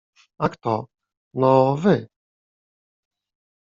A kto? No wy.